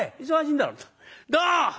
「どう？